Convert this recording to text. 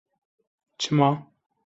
Çima?